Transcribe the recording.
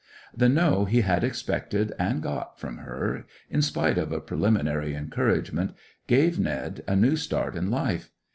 The No he had expected and got from her, in spite of a preliminary encouragement, gave Ned a new start in life.